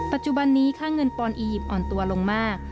ปัจจุบันนี้ค่าเงินปอนอียิปต์อ่อนตัวลงมาก